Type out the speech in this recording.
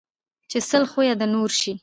ـ چې سل خويه د نور شي